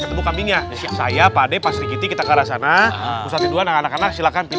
ketemu kambingnya saya pada pas dikit kita ke arah sana